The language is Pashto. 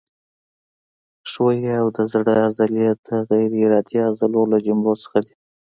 ښویې او د زړه عضلې د غیر ارادي عضلو له جملو څخه دي.